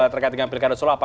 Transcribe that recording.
terkait dengan pilkada solo